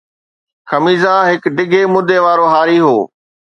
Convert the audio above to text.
خميزه هڪ ڊگهي مدي وارو هاري هو